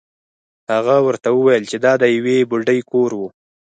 هغه ورته وویل چې دا د یوې بوډۍ کور و.